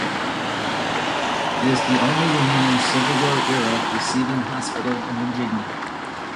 It is the only remaining Civil War era receiving hospital in Virginia.